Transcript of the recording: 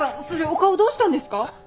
それお顔どうしたんですか！？